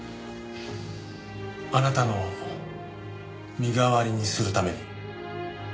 あなたの身代わりにするために。